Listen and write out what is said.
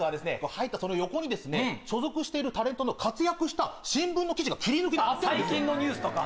入ったその横にですね所属しているタレントの活躍した新聞の記事が切り抜きではってあるんですよ